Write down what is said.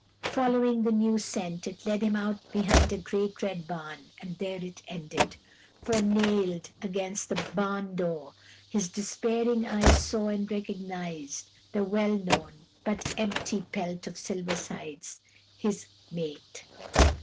Following the new scent, it led him out behind a great red barn, and there it ended, for nailed against the barn door his despairing eyes saw and recognized the well known but empty pelt of Silver Sides, his mate.